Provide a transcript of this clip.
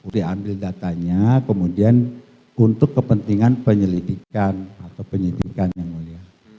diambil datanya kemudian untuk kepentingan penyelidikan atau penyidikan yang mulia